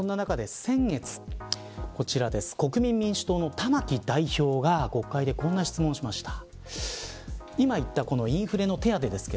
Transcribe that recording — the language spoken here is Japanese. そんな中で先月国民民主の玉木代表が国会でこんな質問をしました。